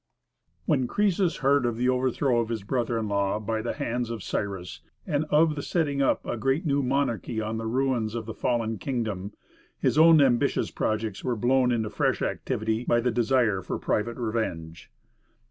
When Croesus heard of the overthrow of his brother in law by the hands of Cyrus, and of the setting up a great new monarchy on the ruins of the fallen kingdom, his own ambitious projects were blown into fresh activity by the desire for private revenge.